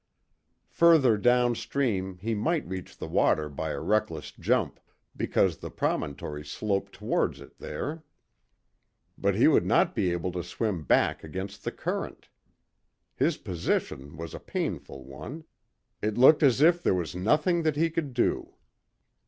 Further down stream he might reach the water by a reckless jump, because the promontory sloped towards it there; but he would not be able to swim back against the current. His position was a painful one; it looked as if there was nothing that he could do.